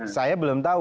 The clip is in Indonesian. saya belum tahu